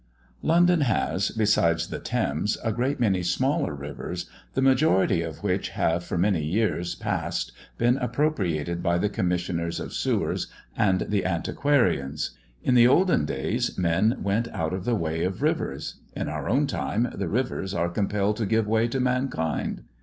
London has, besides the Thames, a great many smaller rivers, the majority of which have, for many years past, been appropriated by the commissioners of sewers and the antiquarians. In the olden days, men went out of the way of rivers. In our own time, the rivers are compelled to give way to mankind.